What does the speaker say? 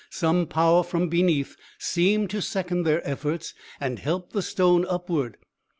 Some power from beneath seemed to second their efforts, and help the stone upward.